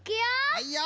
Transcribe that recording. はいよ！